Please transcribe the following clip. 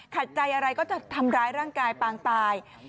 ขัดใจอะไรก็จะทำร้ายร่างกายปางตาย